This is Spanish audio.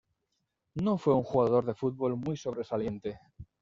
No fue un jugador de fútbol muy sobresaliente.